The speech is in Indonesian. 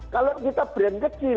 kalau kita brand kecil